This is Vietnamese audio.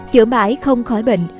chữa mãi không khỏi bệnh